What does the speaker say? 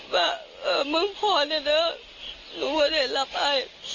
ว่ามึงพอเนี่ยหนูก็ได้รับไอ